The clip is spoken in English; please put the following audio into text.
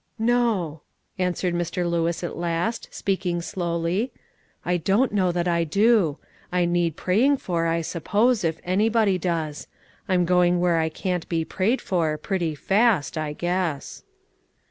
"No," answered Mr. Lewis at last, speaking slowly, "I don't know that I do. I need praying for, I suppose, if anybody does. I'm going where I can't be prayed for, pretty fast, I guess."